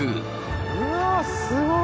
うわっすごい！